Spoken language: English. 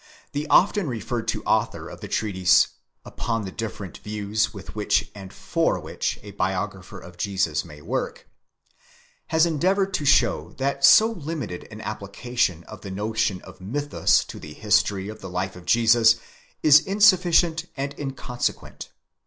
The often referred to author of the treatise " Upon the different views with which and for which a Biographer of Jesus may work," has endeavoured to show that so limited an application of the notion of the mythus to the history of the life of Jesus is insufficient and inconsequent.